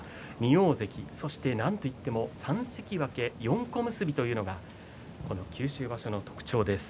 ２大関そしてなんといっても３関脇４小結というのがこの九州場所の特徴です。